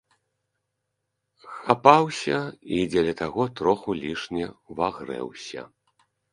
Хапаўся і дзеля таго троху лішне ўвагрэўся.